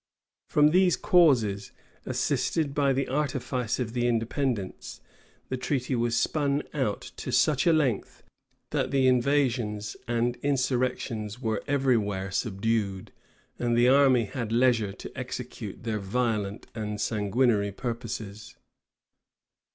From these causes, assisted by the artifice of the Independents, the treaty was spun out to such a length, that the invasions and insurrections were every where subdued; and the army had leisure to execute their violent and sanguinary purposes.